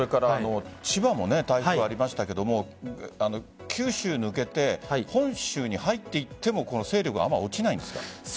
千葉も台風がありましたが九州を抜けて本州に入っていっても勢力はあまり落ちないんですか？